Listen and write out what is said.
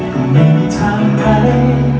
ก็ไม่มีทางใด